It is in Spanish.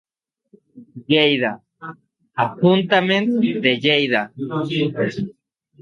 Lleida: Ajuntament de Lleida.